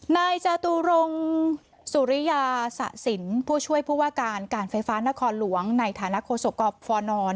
นายจตุรงสุริยาสะสินผู้ช่วยผู้ว่าการการไฟฟ้านครหลวงในฐานะโฆษกฟน